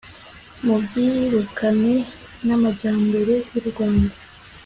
Mubyirukane namajyambere yu Rwanda